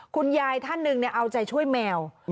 คุณยายท่านหนึ่งเอาใจช่วยแมว